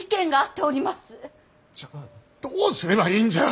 じゃあどうすればいいんじゃ！